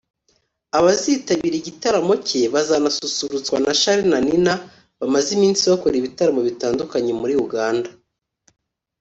Abazitabira igitaramo cye bazanasusurutswa na Charly na Nina bamaze iminsi bakora ibitaramo bitandukanye muri Uganda